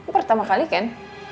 pertama kali kan